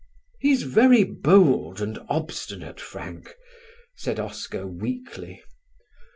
"He's very bold and obstinate, Frank," said Oscar weakly.